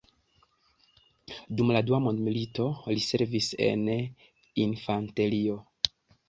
Dum la Dua Mondmilito, li servas en infanterio.